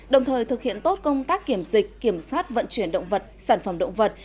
đồng thời thực hiện tốt công tác kiểm dịch kiểm soát vận chuyển động vật sản phẩm động vật